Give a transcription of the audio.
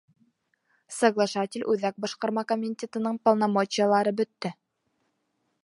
Соглашатель Үҙәк Башҡарма Комитетының полномочиелары бөттө.